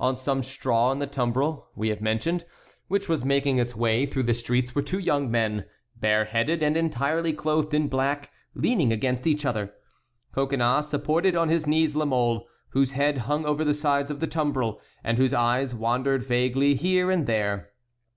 On some straw in the tumbril, we have mentioned, which was making its way through the streets, were two young men, bareheaded, and entirely clothed in black, leaning against each other. Coconnas supported on his knees La Mole, whose head hung over the sides of the tumbril, and whose eyes wandered vaguely here and there.